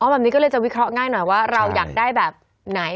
แบบนี้ก็เลยจะวิเคราะห์ง่ายหน่อยว่าเราอยากได้แบบไหน